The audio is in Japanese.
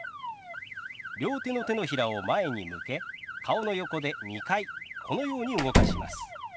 両手の手のひらを前に向け顔の横で２回このように動かします。